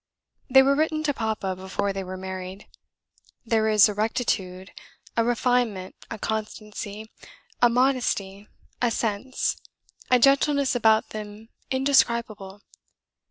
They were written to papa before they were married. There is a rectitude, a refinement a constancy, a modesty, a sense, a gentleness about them indescribable.